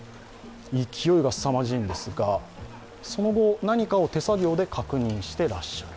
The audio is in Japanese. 勢いがすさまじいんですが、その後何かを手作業で確認していらっしゃる。